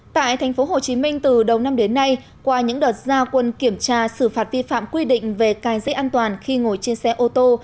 tại tp hcm từ đầu năm đến nay qua những đợt gia quân kiểm tra xử phạt vi phạm quy định về cài dây an toàn khi ngồi trên xe ô tô